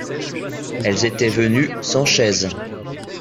Elles étaient venus sans chaise